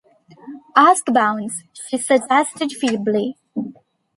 "Ask Bounds," she suggested feebly.